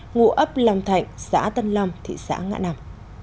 ngụ ấp long thạnh xã tân long thị xã ngã năm